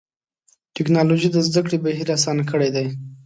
ټکنالوجي د زدهکړې بهیر آسانه کړی دی.